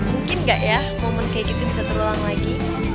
mungkin gak ya momen kayak gitu bisa terulang lagi